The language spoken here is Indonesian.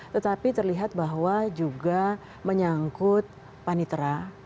tetapi terlihat bahwa juga menyangkut panitera